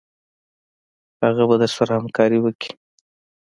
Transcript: هغه به درسره همکاري وکړي.